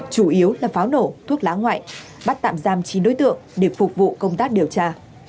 chủ yếu là pháo nổ thuốc lá ngoại bắt tạm giam chín đối tượng để phục vụ công tác điều tra